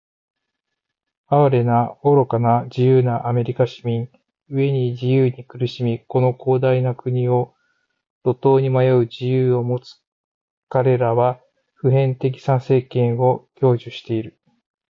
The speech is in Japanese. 哀れな、愚かな、自由なアメリカ市民！飢えに「自由」に苦しみ、この広大な国を路頭に迷う「自由」を持つかれらは、普遍的参政権を享受している。